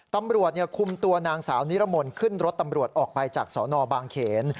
ตำรวจคุมตัวนางสาวนิรมนต์ขึ้นรถตำรวจออกไปจากสนบางเขน